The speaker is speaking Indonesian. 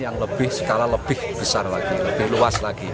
yang lebih skala lebih besar lagi lebih luas lagi